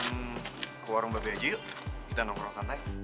hmm ke warung babi aja yuk kita nongkrong santai